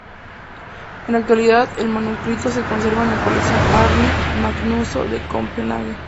En la actualidad el manuscrito se conserva en la colección Árni Magnússon de Copenhague.